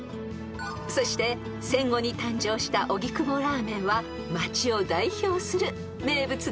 ［そして戦後に誕生した荻窪ラーメンは街を代表する名物です］